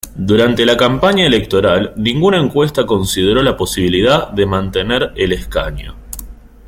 Durante la campaña electoral, ninguna encuesta consideró la posibilidad de mantener el escaño.